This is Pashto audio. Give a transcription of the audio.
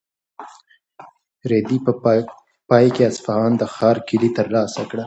رېدي په پای کې د اصفهان د ښار کیلي ترلاسه کړه.